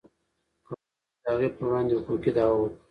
کولی شو د هغې پر وړاندې حقوقي دعوه وکړو.